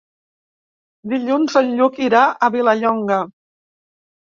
Dilluns en Lluc irà a Vilallonga.